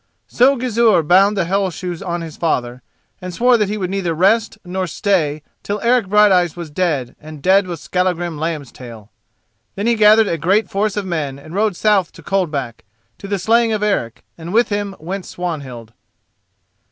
So Gizur bound the Hell shoes on his father, and swore that he would neither rest nor stay till Eric Brighteyes was dead and dead was Skallagrim Lambstail. Then he gathered a great force of men and rode south to Coldback, to the slaying of Eric, and with him went Swanhild.